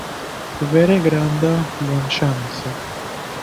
Vere granda bonŝanco.